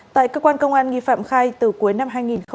tại cơ quan công an nghi phạm khai từ cuối năm hai nghìn hai mươi ba